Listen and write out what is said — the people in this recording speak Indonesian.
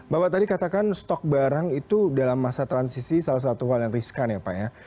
bapak tadi katakan stok barang itu dalam masa transisi salah satu hal yang riskan ya pak ya